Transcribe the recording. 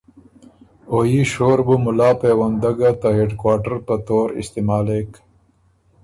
او يي شور بُو ملا پېونده ګۀ ته هیډکوارټر په طور استعمالېک